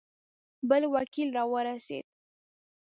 بل وکیل را ورسېد.